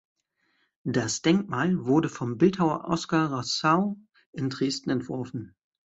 Das Denkmal wurde vom Bildhauer Oskar Rassau in Dresden entworfen.